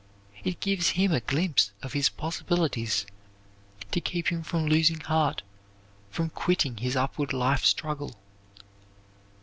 It gives him a glimpse of his possibilities to keep him from losing heart, from quitting his upward life struggle.